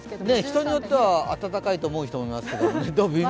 人によっては暖かいと思うと思いますけど、微妙？